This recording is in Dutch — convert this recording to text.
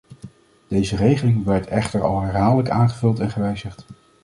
Deze regeling werd echter al herhaaldelijk aangevuld en gewijzigd.